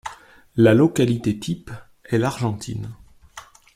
La localité type est l'Argentine.